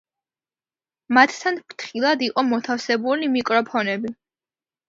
მათთან ფრთხილად იყო მოთავსებული მიკროფონები.